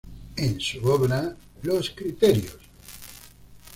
En su obra "Los cristeros.